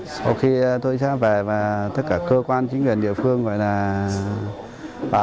sau khi tôi trở về tất cả cơ quan chính quyền địa phương gọi là